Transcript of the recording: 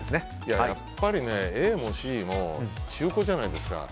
やっぱりＡもＣも中古じゃないですか。